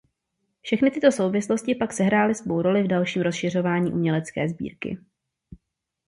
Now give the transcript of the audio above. Všechny tyto souvislosti pak sehrály svou roli v dalším rozšiřování umělecké sbírky.